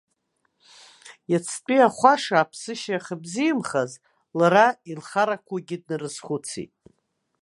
Иацтәи ахәаша аԥсышьа ахьыбзиамхаз, лара илхарақәоугьы днарызхәыцит.